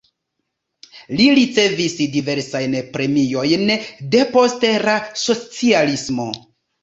Li ricevis diversajn premiojn depost la socialismo.